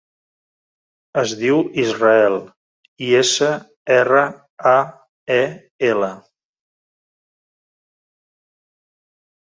Es diu Israel: i, essa, erra, a, e, ela.